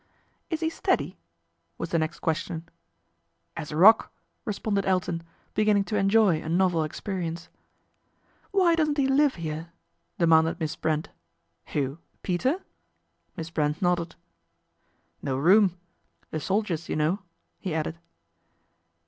" Is he steady ?" was the next question. " As a rock," responded Elton, beginning to enjoy a novel experience. 1 Why doesn't he live here ?" demanded Miss Brent. " Who, Peter ?" Miss Brent nodded. "No room. The soldiers, you know," he added.